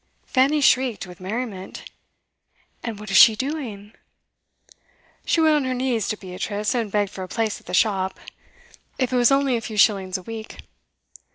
Fanny shrieked with merriment. 'And what is she doing?' 'She went on her knees to Beatrice, and begged for a place at the shop, if it was only a few shillings a week.